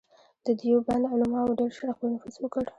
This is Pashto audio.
د دیوبند علماوو ډېر ژر خپل نفوذ وکړ.